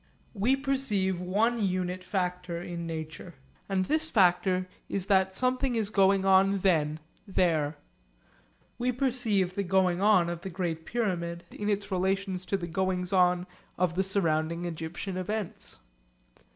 We perceive one unit factor in nature; and this factor is that something is going on then there. For example, we perceive the going on of the Great Pyramid in its relations to the goings on of the surrounding Egyptian events.